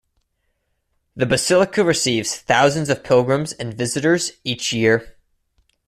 The Basilica receives thousands of pilgrims and visitors each year.